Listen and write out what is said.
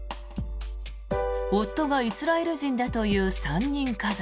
夫がイスラエル人だという３人家族。